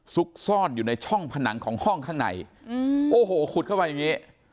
ซุกซ่อนอยู่ในช่องผนังของห้องข้างในโอ้โหขุดเข้าไปอย่างนี้